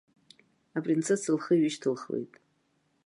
Апринцесса лхы ҩышьҭылхуеит.